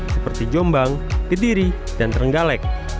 seperti jombang kediri dan trenggalek